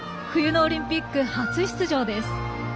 冬のオリンピック、初出場です。